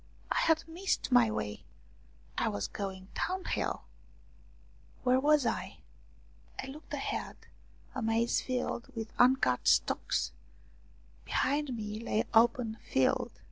I had missed my way I was going downhill ! Where was I ? I looked ahead a maize field with uncut stalks ; behind me lay open field.